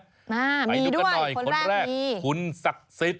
มามีด้วยคนแรกมีไปดูกันหน่อยคนแรกคุณศักดิ์สิทธิ์